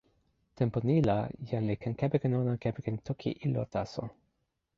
tenpo ni la, jan li ken kepeken ona kepeken toki ilo taso.